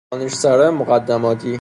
دانش سرا مقدماتی